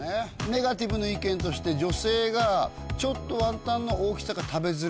ネガティブの意見として女性がちょっとワンタンの大きさが食べづらい。